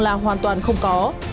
là hoàn toàn không có